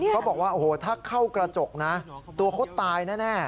เขาบอกว่าโอ้โหถ้าเข้ากระจกนะตัวเขาตายแน่